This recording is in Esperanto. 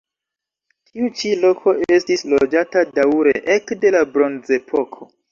Tiu ĉi loko estis loĝata daŭre ekde la bronzepoko.